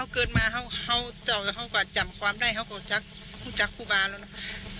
เกิดมาเขาก็จำความได้เขาก็ชักรู้จักครูบาแล้วนะ